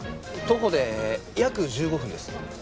徒歩で約１５分です。